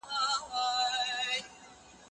انټي میکروب کریمونه میکروبونه کموي.